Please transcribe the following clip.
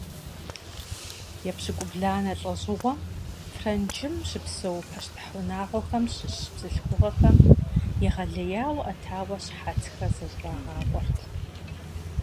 Епщыкӏубланэ лӀэщӀыгъуэм Франджым щыпсэу пащтыхь унагъуэхэм щыщ бзылъхугъэхэм егъэлеяуэ Ӏэтауэ щхьэцхэр зэщӀрагъакъуэрт.